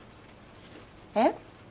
えっ？